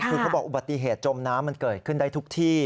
คือเขาบอกอุบัติเหตุจมน้ำมันเกิดขึ้นได้ทุกที่